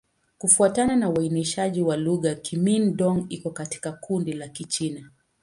Kufuatana na uainishaji wa lugha, Kimin-Dong iko katika kundi la Kichina.